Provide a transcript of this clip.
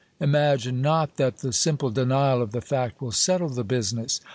Imagine not that the simple denial of the fact will settle the business.